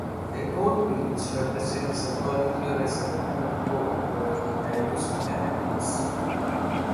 A code page represents a particular assignment of code point values to characters.